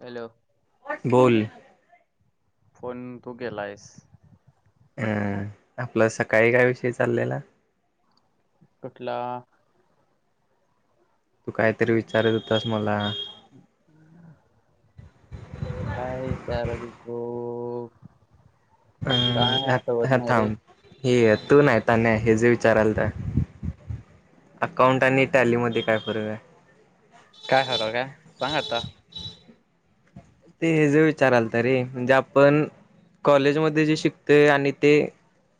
Hello. बोल. Phone तू केलायस. अम आपलं सकाळी काय विषयी चाललेला. कुठला. तू कायतरी विचारत होतास मला? काय विचारत होतो. अम काय आठवत हा नाही रे थांब हे तू नाही. नाही हे जे विचाराल तर. अकाउंट आणि टॅली मध्ये काय फरक आहे. काय खरं काय सांग आता. ते हे ज विचाराल तर रे म्हणजे आपण. कॉलेजमध्ये जे शिकतोय आणि ते.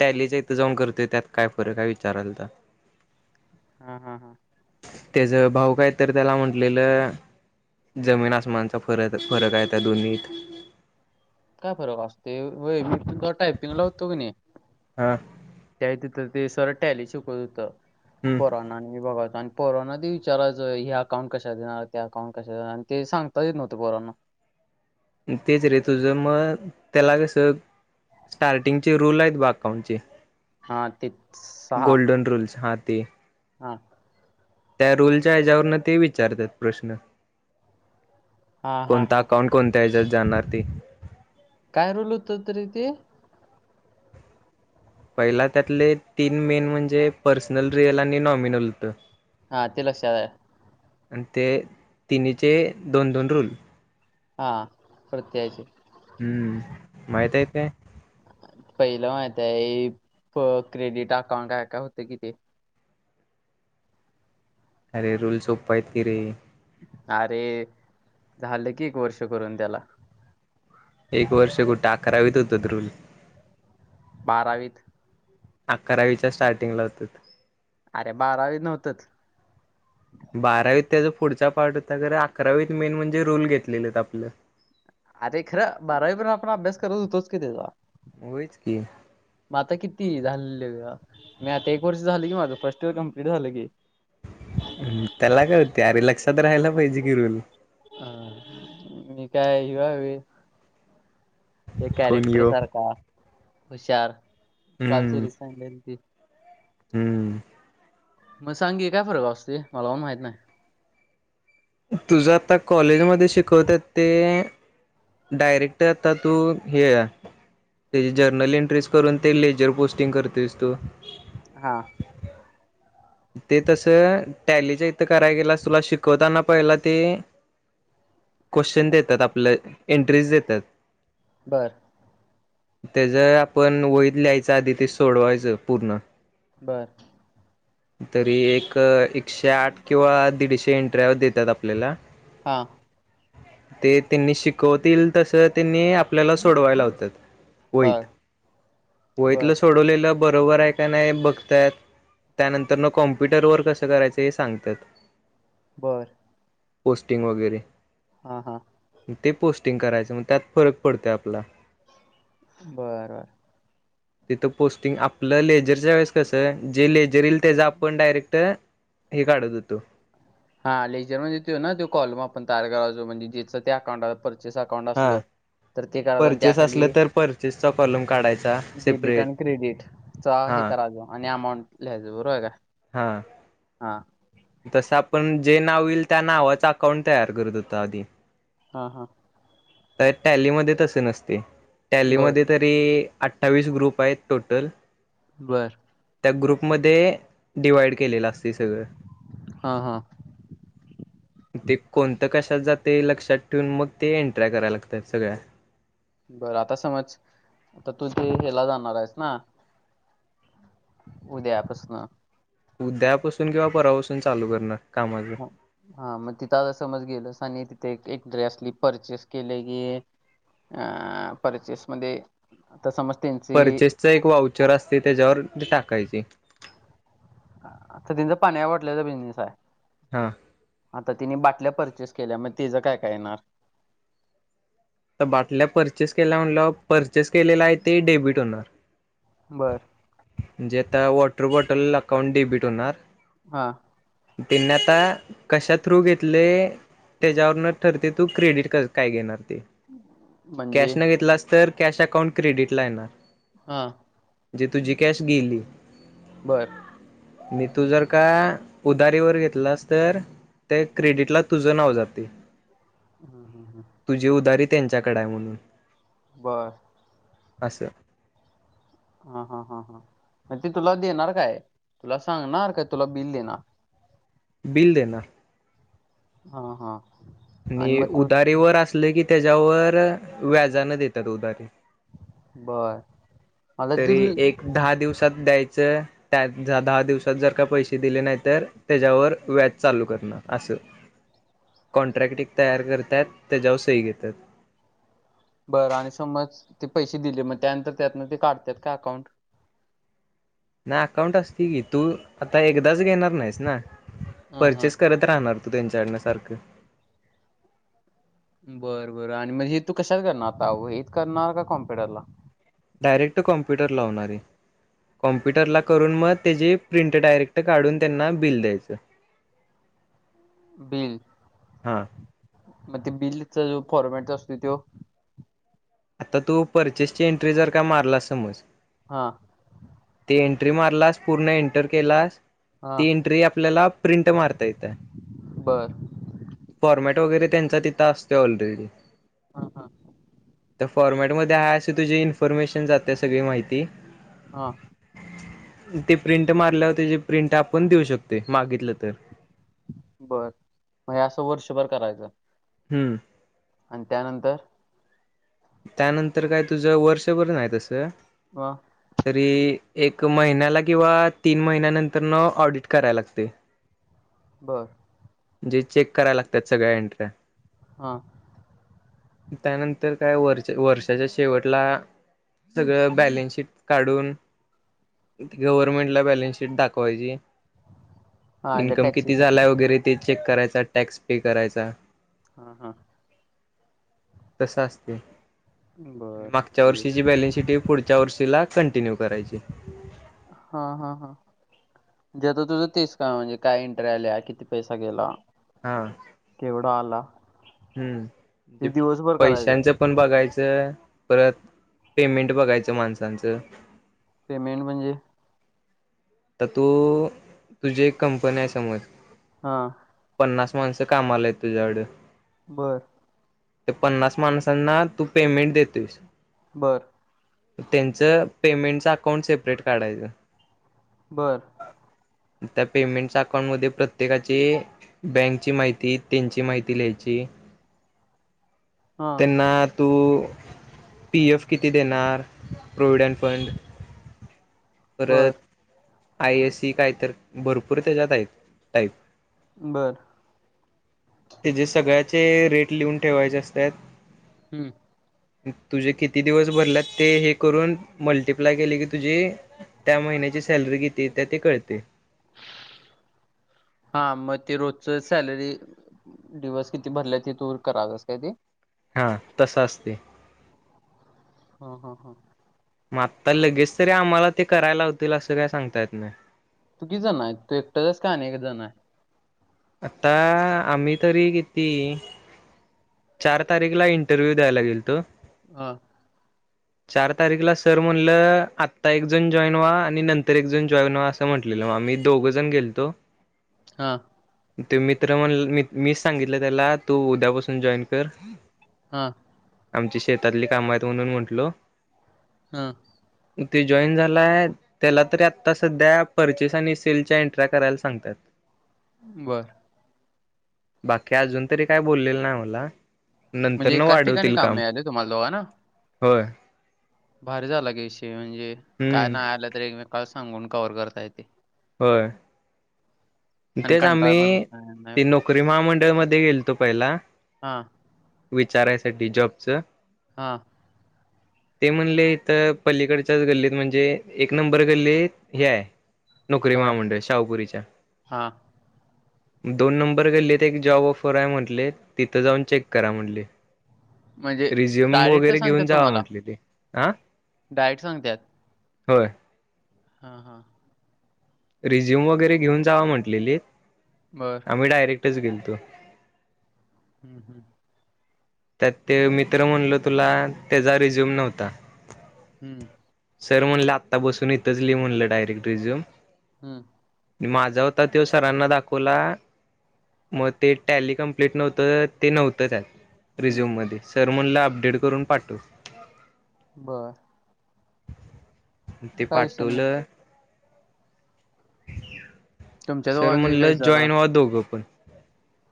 टॅलीच इथं जाऊन करतोय त्यात काय फरक हाय विचारालतो. हा हम. हम्. त्याच भाऊ काय तर त्याला म्हटलेलं. जमीन आसमानाचा फरक फरक आहे. त्या दोन्हीत काय फरक असतोय? व्हय मी तिथं टायपिंग ला होतो की नाही, हा त्या तिथं ते सर टॅली शिकवत होतं, हम्म पोरांनो आणि हे बघा पोरांना ते विचारायचं हे अकाउंट कशात येणार ते अकाउंट कशात येणार? आणि ते सांगताच येत नव्हतं पोरांना. तेच रे तुझं मग त्याला कसं स्टार्टिंगचे रूल आहेत बघ अकाउंटचे, हा ते सहा गोल्डन रूल्स हा ते हा त्या रूलच्या हेच्यावरनं ते विचारतात प्रश्नं. हा हा कोणता हा अकाउंट कोणत्या हेच्यात जाणार ते काय रुल होतंत र ते? पहिला त्यातले तीन मेन म्हणजे पर्सनल रिअल आणि नॉमिनल होतं. हा ति लक्षात हाय. आणि ते तिन्हीचे दोन दोन रुल. हा प्रत्येकाचे. हम्म, माहित हायत काय? पहिलं माहित आहे, प क्रेडिट अकाउंट काय काय होतं की ते. अरे रुल सोप्पं आहेत की रे. अरे, झालं की एक वर्ष करून त्याला. एक वर्ष कुठे? आकरावीत होतंत रुल. बारावीत. अकरावीच्या स्टार्टिंगला होतंत. अरे बारावीत नव्हतच. बारावीत त्याचा पुढचा पार्ट होता खरं अकरावीत मेन म्हणजे रूल घेतलेलेत आपलं. आरे खरं, बारावी परन आपण अभ्यास करत होतोच की तेचा होयच की म आता किती झालेल्ल? मी आता एक वर्ष झालं की माझं, फर्स्ट इयर कमप्लीट झालं की आता राहायला पाहिजे कि रूम हा मी काय ह्यो हाय व्हय? त्या कोण कॅरेक्टर यो सारखा, हुशार काल हम्म सिरीज सांगलेली ती हम्म. मग सांग की काय फरक असते? मला पण माहित नाही. तुझं आता कॉलेजमध्ये शिकवत्यात ते डायरेक्ट आता तू हे त्याची जर्नल एंट्रीज करून ते लेजर पोस्टिंग करतो यस तो हा. ते तसं टॅलीच्या इथं करायला गेलास तुला शिकवताना पहिल ते क्वेश्चन देतात आपलं, एंट्रीज देतात. बर. त्या ज आपण वईत लिहायचं, आधी ते सोडवायचं पूर्ण बर तरी एक एकशे आठ किंवा दीडशे इंटऱ्या देत्यात आपल्याला हा. ते त्यांनी शिकवतील, तस तेंनी आपल्याला सोडवाय लावत्यात. बर वईत. बर वईतलं सोडवलेलं बरोबर आहे का नाही बघत्यात. त्या नंतर न, कॉम्प्युटर वर कसं करायचं हे सांगत्यात? बरं. पोस्टिंग वगैरे. हा हा ते पोस्टिंग करायचं मग त्यात फरक पडतोय आपला. बर बर तिथं पोस्टिंग आपलं लेजरच्या वेळेस कसं आहे जे ले त्याचा आपण डायरेक्ट हे काढत होेतो हा लेजर म्हणजे तो ना तो कॉलम आपण तयार करायचो म्हणजे जेचं ते अकाउंट हाय पर चेस अकाउंट हा असलं तर ते करायचो अन त्या परचेस असलं खाली तर परचेसचा कॉलम काढायचा डेबिट सेपरेट अन क्रेडिट चा हे हा करायचो आणि अमाऊंट लिहायचो, बरोबर का? हा हा तसं आपण जे नाव येईल त्या नावाचं अकाउंट तयार करत होतो आधी. हा हा. त्यात टॅलीमध्ये तसं नसते बर टॅलीमध्ये तरी अठ्ठावीस ग्रुप आहेत टोटल. बर त्या ग्रुपमध्ये डिवाइड केलेलं असतंय सगळं. हा हा ते कोणतं कशा त जातंय लक्षात ठेवून मग ते एंट्र्या कराय लागतात सगळ्या. बरं आता समज आता तू तेे हेला जाणार आहेस ना? उद्यापासनं. उद्यापासून किंवा परवापासून चालू करणार. कामाचं. ह हा मग तिथं आता समज गेलंस आणि ते एक एन्ट्री असली परचेस केले की अ परचेस मध्ये आता समज त्यांची परचेसचं एक वाउचर असतंय त्याच्यावर ते टाकायची. हा आता त्यांचं पाणीच्या बाटल्याचा बिजनेस आहे. हा आता तिने बाटल्या परचेस केल्या मग तिचं काय काय येणार? तर बाटल्या परचेस केल्या म्हणल्याव, परचेस केलेला आहे ते डेबिट होणार. बर म्हणजे आता वॉटर बॉटल अकाउंट डेबिट होणार. हा त्यांनी आता कशा थ्रू घेतले त्याच्यावरनं ठरते तू क्रेडिट क काय घेणार? ते कॅश म्हणजे न घेतलास तर कॅश अकाउंट क्रेडिट ला येणार. हा जे तुझी कॅश गेली. बर मी तू जर का उदारीवर घेतलास तर त्या क्रेडिट ला तुझं नाव जातंय. हम्म हम्म हम्म त्यांच्याकडं आहे म्हणून. बर असं हा हा हा हा मग ते तुला देणार काय, तुला सांगणार काय तुला बिल देणार? बिल देणार. हा हा आणि मग तू उधारीवर असलं की त्याच्यावर व्याजानं देतात उधारी. बर मला ती तरी एक दहा दिवस सात द्यायचं, त्या दहा दिवसात जर का पैसे दिले नाही तर, त्याच्यावर व्याज चालू कर न असं कॉन्ट्रॅक्ट एक तयार करतात त्याच्यावर सही घेतात. बरं आणि समज ते पैसे दिले मग त्यानंतर त्यातनं ते काढतात का अकाउंट? नाही अकाउंट असतंय की, तू आता एकदाच घेणार नाहीस ना. हा हा परचेस करत राहणार तू त्यांच्याकडनं सारखं. बरं बरं, आणि मग हे तू कशात करणार आता वहीत करणार का कॉम्प्युटरला? Direct computer लावणारय. कॉम्प्युटरला करून मग त्याची प्रिंट डायरेक्ट काढून त्यांना बिल द्यायचं. [inaudible] बिल हा मग ते बिलचं फॉर्मेट जो असतोय तो आता तू परचेसची एंट्री जर का मारलास समज हा ते एंट्री मारलास पूर्ण एंन टर केलास, हा ती एंट्री आपल्याला प्रिंट मारता येत्या. बर फॉर्मॅट वगैरे त्यांचा तिथं असतोय ऑलरेडी हा हा. फॉर्मॅट मधे हाय आशी, तुझी इन्फॉर्मेशन जाते, सगळी माहिती हा. ते प्रिंट मारल्यावर त्याची प्रिंट आपण देऊ शकतोय, मागितलं तर बर, म आस हे वर्षभर करायचं. हुं. आणि त्यानंतर त्यानंतर काय तुझ वर्षभर नाही तसं? वा तरी एक महिन्याला किंवा तीन महिन्यानंतर न ऑडिट कराय लागतय. [inaudible] बरं. जे चेक कराय लागत्यात सगळ्या एनट्र्या हा. त्यानंतर? काय वर् वर्षाच्या शेवटला, सगळं बॅलन्स शीट काढून गव्हर्नमेंट ला बॅलन्स शीट दाखवायची. हा म्हणजे इन्कम किती टॅक्सेशन झालाय वगैरे ते चेक करायचा, टॅक्स पे करायचा. हा हा. तस असतय, बर मागच्या म्हणजे वर्षीची बॅलन्स शीट ही पुढच्या वर्षीला कंटिन्यू करायची. हा हा हा. म्हणजे आता तुझं तेच काम म्हणजे काय एन्ट्र्या आल्या, किती पैसा गेला? हा केवढा आला? हम्म, म्हणजे हे दिवसभर करायचं पैशांचं पण बघायचं च परत पेमेंट बघायचं माणसांचं. पेमेंट म्हणजे? तर तू, तुझी एक कंपनी आहे समज. हा. पन्नास माणसं कामाला हायत तुझ्याकडं. बर. त्या पन्नास माणसांना तू पेमेंट देतोयस. बर त्यांचं पेमेंटचं अकाउंट सेपरेट काढायचं. बर. त्या पेमेंटच्या अकाउंटमध्ये प्रत्येकाची बँकची माहिती, त्यांची माहिती लिह यची हा त्यांना तू पी एफ किती देणार? प्रोविडंट फंड परत बर आय एस सी काय तर, भरपूर त्याच्यात हायत टाईप. बर ते जे सगळ्याचे रेट लिहून ठेवायचे असत्यात. हम्म तुझे किती दिवस भरलेत ते हे करून मल्टिप्लाय केले की तुझे त्या महिन्याची सॅलरी किती येत्या ते कळते. हा मग ते रोजच सॅलरी दिवस किती भरल्यात ते तू करालास काय ते? हा, तस असते. हा, हा, हा. म आत्ता लगेच तरी, आम्हाला ते करायला लावतील, असं काय सांगता येत नाही? तू किती जन हायत? तू एकटाच आहेस का आणि एक जण आहे? आता आम्ही तरी किती? चार तारीखला, इंटरव्ह्यू द्यायला गेलतो. हा. चार तारीखला सर म्हणलं, आता एक जण जॉईन व्हा, आणि नंतर एक जण जॉईन व्हा अस स म्हटलेलं, म आम्ही दोघं जण गेलतो.. हा. त्यो मित्र म्हणल मी मी सांगितलं त्याला, तू उद्यापासून जॉईन कर. हा. आमची शेतातली काम हायीत म्हणून म्हटलो. ह ते जॉईन झालाय, त्याला तरी आता सध्या परचेस आणि सेलच्या एन्ट्र्या करायला सांगत्यात बर बाकी अजून तरी काय बोललेल नाही मला नंतर म्हणजे न एकाच ठिकाणी वाढवतील काम मिळाले तुम्हाला दोघांना होय भारी झाला विषय म्हणजे काय हम्म नाय आल तरी एकमे का सांगून कवर करता येतय होय आणि तेच कंटाळा पण येत आम्ही नाही नाही. ते नोकरी महामंडळ मध्ये गेलतो पहिला हा चारायसाठी जॉबचं हा ते म्हणले इथं पलीकडच्याच गल्लीत म्हणजे एक नंबर गल्लीत हे आय नोकरी काय महामंडळ शाहुपुरीच्या हा दोन नंबर गल्लीत तर एक जॉब ऑफर हाय म्हटले तित जाऊन चेक करा म्हटले म्हणजे रिझ्युम डायरेक्ट वगैरे सांगतात घेऊन जावा तुम्हाला म्हटले ते आ डायरेक्ट सांगतात होय हा, हा रिझ्युम वगैरे घेऊन जावा म्हटलेलीत बर आम्ही डायरेक च गेल तो ह, ह त्यात ते मित्र म्हणल तुला तेजा रिझ्युम नव्हता हम्म सर म्हणलं आत्ता बसून इतच लि म्हणलं डायरेक्ट रिझ्यूम हम्म माजा होता त्यो सरांना दाखवला मग ते टॅली कम्प्लीट नव्हतं ते नव्हतं त्यात हम्म रिझ्यूम मध्ये सर मनल अपडेट करून पाठव बर ते काय विषय नाही पाठवलं तुमच्या सर दोघांचा म्हटलं काही झाला जॉईन व्हा दोघं पण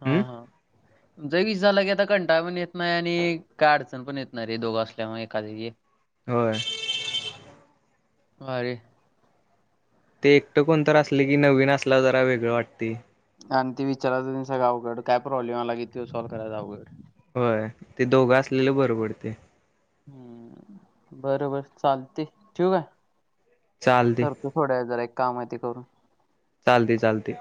हा, हम्म हा ज विस झाला की आता कंटाळ पण येत नाही आणि काय अडचण पण येतणारे दोघं असल्यामुळेग एखाद होय अरे ते एकटं कोणतर असले की नवीन असला जरा वेगळं वाटतय आणि ते विचाराचचा गावकड काय प्रॉब्लेम आला क त सॉल्व करायचा आवगड होय ते दोघं असलेल बरं पडतंय हम्म बरबर चालते ठिव काय चालते करतो थोड्या जरा एक काम हाय ते करून चालतय, चालतय